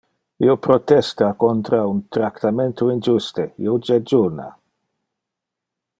Io protesta contra un tractamento injuste, io jejuna.